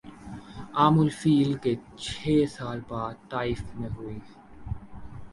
عام الفیل کے چھ سال بعد طائف میں ہوئی